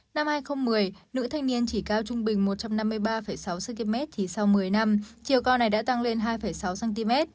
năm hai nghìn một mươi nữ thanh niên chỉ cao trung bình một trăm năm mươi ba sáu cm thì sau một mươi năm chiều cao này đã tăng lên hai sáu cm